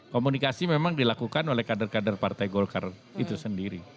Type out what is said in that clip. komunikasi memang dilakukan oleh kader kader partai golkar itu sendiri